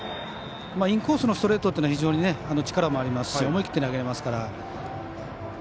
インコースのストレートというのは非常に力もありますし思い切って投げられますから。